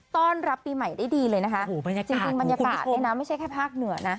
ต้อนรับปีใหม่ได้ดีเลยนะคะจริงจริงบรรยากาศเนี่ยนะไม่ใช่แค่ภาคเหนือนะ